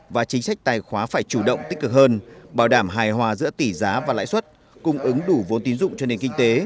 và chính sách tài khóa phải chủ động tích cực hơn bảo đảm hài hòa giữa tỷ giá và lãi suất cung ứng đủ vốn tín dụng cho nền kinh tế